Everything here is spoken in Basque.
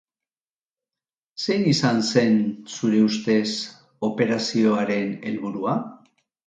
Zein izan zen zure ustez operazio haren helburua?